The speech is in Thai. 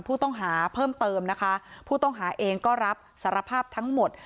ผู้ต้องหาเพิ่มเติมนะคะผู้ต้องหาเองก็รับสารภาพทั้งหมด